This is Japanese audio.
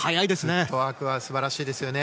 フットワーク素晴らしいですね。